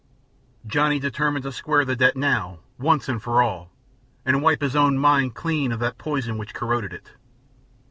Johnny determined to square the debt now, once for all, and wipe his own mind clean of that poison which corroded it.